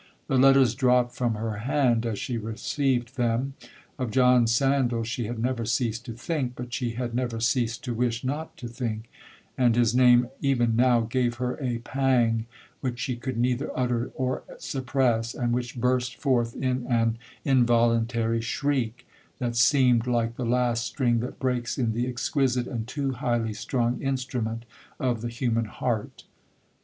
The letters dropt from her hand as she received them,—of John Sandal she had never ceased to think, but she had never ceased to wish not to think,—and his name even now gave her a pang which she could neither utter or suppress, and which burst forth in an involuntary shriek, that seemed like the last string that breaks in the exquisite and too highly strung instrument of the human heart.